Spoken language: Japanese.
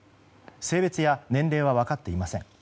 性別や年齢は分かっていません。